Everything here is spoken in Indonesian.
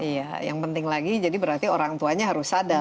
iya yang penting lagi jadi berarti orang tuanya harus sadar